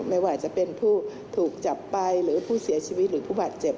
ไม่ว่าจะเป็นผู้ถูกจับไปหรือผู้เสียชีวิตหรือผู้บาดเจ็บ